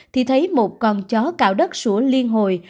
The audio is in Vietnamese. thì thấy một con chó cạo đất sũa liên hồi